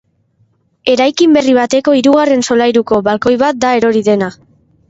Eraikin berri bateko hirugarren solairuko balkoi bat da erori dena.